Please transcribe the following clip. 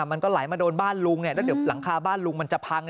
มันก็ไหลมาโดนบ้านลุงแล้วเดี๋ยวหลังคาบ้านลุงมันจะพัง